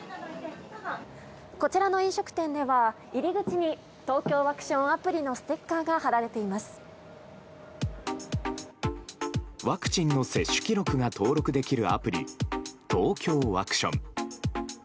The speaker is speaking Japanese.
こちらの飲食店では、入り口にＴＯＫＹＯワクションアプリのステッカーが貼られていまワクチンの接種記録が登録できるアプリ、ＴＯＫＹＯワクション。